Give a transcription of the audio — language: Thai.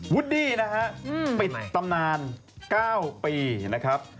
ูดดี้นะฮะปิดตำนาน๙ปีนะครับ